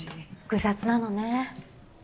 複雑なのね。